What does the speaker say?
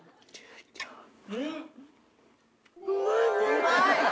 うまい！